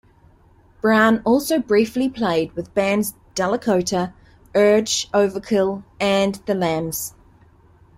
Browne also briefly played with bands Delakota, Urge Overkill and The Lams.